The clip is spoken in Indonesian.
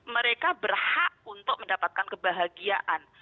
mereka berhak untuk mendapatkan kebahagiaan